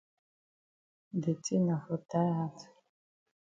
Da tin na for tie hat.